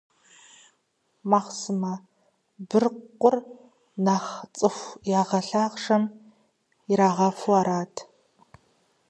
Махъсымэ быркъур нэхъ цӀыху ягъэлъахъшэм ирагъафэу арат.